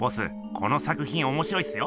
この作品おもしろいっすよ。